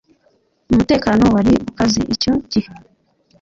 umutekano wari ukaze icyo gihe